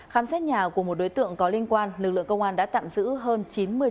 khám xét nhà của một đối tượng có liên quan lực lượng công an đã tạm giữ hơn chín mươi đối tượng